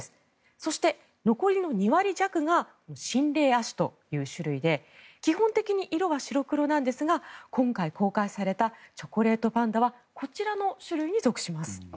そして、残りの２割弱が秦嶺亜種という種類で基本的に色は白黒なんですが今回公開されたチョコレートパンダはこちらの種類に属します。